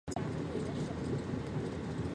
崇祯三年庚午科河南乡试解元。